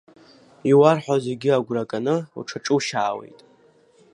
Иуарҳәо зегьы агәра ганы уҽаҿушьаауеит.